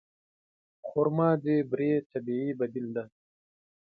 خرما د بوري طبیعي بدیل دی.